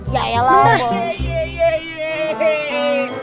ya ya lah dong